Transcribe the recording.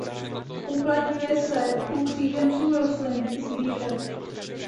Uplatňuje se u kříženců rostlin i zvířat.